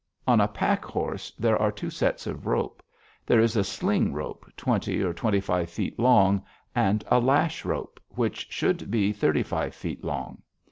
On a pack horse there are two sets of rope. There is a sling rope, twenty or twenty five feet long, and a lash rope, which should be thirty five feet long.